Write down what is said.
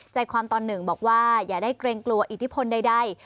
ใจความตอนหนึ่งบอกว่าอย่าได้เกรงกลัวอิทธิพลใด